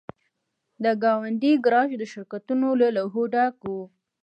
د ګاونډۍ ګراج د شرکتونو له لوحو ډک و